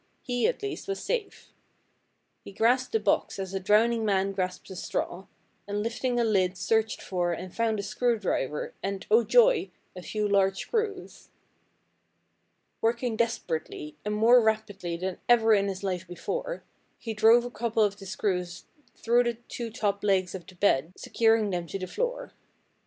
He, at least, was safe. He grasped the box as a drowning man grasps a straw, and lifting a lid searched for and found a screw driver, and, oh, joy! a few large screws. "Working desperately, and more rapidly than ever in his life before, he drove a couple of the screws through the two top legs of the bed, securing them to the floor.